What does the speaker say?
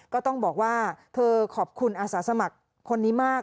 ก็ต้องบอกว่าเธอขอบคุณอาสาสมัครคนนี้มาก